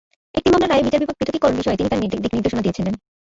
একটি মামলার রায়ে বিচার বিভাগ পৃথক্করণ বিষয়ে তিনি তাঁর দিকনির্দেশনা দিয়েছিলেন।